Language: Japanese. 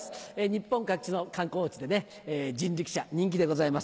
日本各地の観光地でね人力車人気でございます。